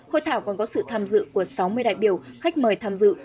hội thảo còn có sự tham dự của sáu mươi đại biểu khách mời tham dự